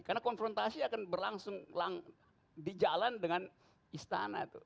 karena konfrontasi akan berlangsung di jalan dengan istana